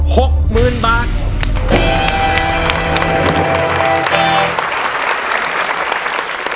๖หมื่นบาท